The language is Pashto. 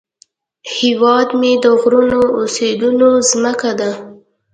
هیواد مې د غرونو او سیندونو زمکه ده